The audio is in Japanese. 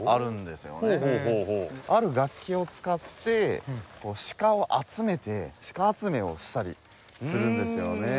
ある楽器を使って鹿を集めて鹿集めをしたりするんですよね。